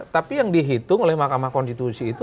tapi yang dihitung oleh mahkamah konstitusi itu